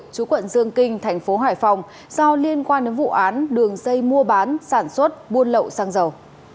chú quận dương kinh tp hcm do liên quan đến vụ án đường xây mua bán sản xuất buôn lậu xăng dầu